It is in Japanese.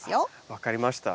分かりました。